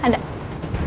mbak ada belanja disini